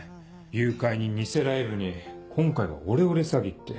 誘拐に偽ライブに今回はオレオレ詐欺って。